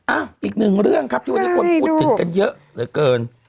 อีกหนึ่งเรื่องครับที่วันนี้คนพูดถึงกันเยอะเหลือเกิน